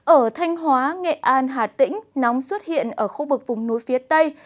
ở thanh hóa nghệ an hà tĩnh nóng xuất hiện ở khu vực vùng núi phía tây